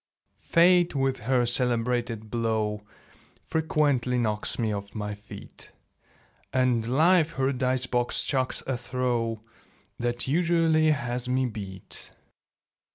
Fate with her celebrated blow Frequently knocks me off my feet; And Life her dice box chucks a throw That usually has me beat.